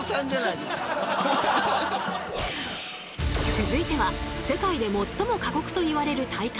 続いては世界で最も過酷といわれる大会